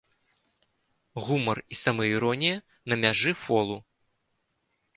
Гумар і самаіронія на мяжы фолу.